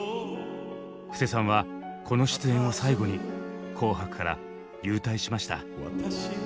布施さんはこの出演を最後に「紅白」から勇退しました。